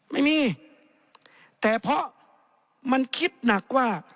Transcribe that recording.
ไม่มีแต่เพราะมันคิดหนักว่า